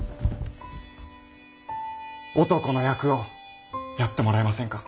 男の役をやってもらえませんか。